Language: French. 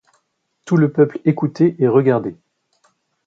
Tout le peuple écoutait et regardait.